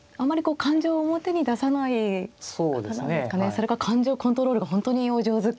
それか感情コントロールが本当にお上手か。